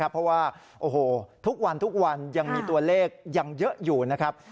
เพราะว่าทุกวันยังมีตัวเลขยังเยอะอยู่นะครับ